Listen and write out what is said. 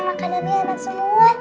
makanannya enak semua